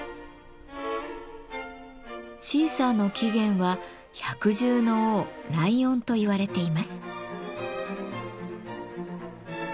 シーサーの起源は百獣の王・ライオンといわれています。